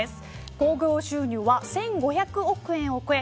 興行収入は１５００億円を超え